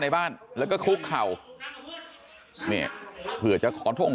ในบ้านแล้วก็คุกเข่าเนี่ยเผื่อจะขอท่ง